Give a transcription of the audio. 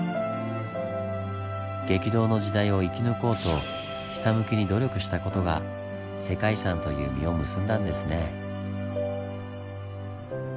激動の時代を生き抜こうとひたむきに努力した事が世界遺産という実を結んだんですね。